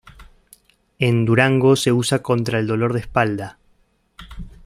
En Durango se usa contra el dolor de espalda.